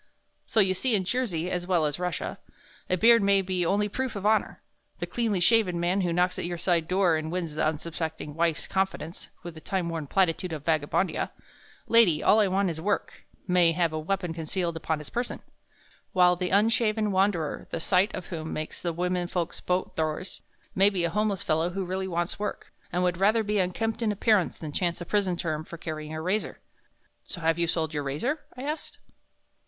So you see in Jersey, as well as in Russia, a beard may be only proof of honor.... The cleanly shaven man who knocks at your side door and wins the unsuspecting wife's confidence with that time worn platitude of Vagabondia, 'Lady, all I want is work,' may have a weapon concealed upon his person, while the unshaven wanderer, the sight of whom makes the women folks bolt doors, may be a homeless fellow who really wants work, and would rather be unkempt in appearance than chance a prison term for carrying a razor." "So you have sold your razor?" I asked.